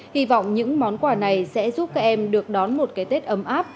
hy vọng những món quà này sẽ giúp các em được đón một cái tết ấm áp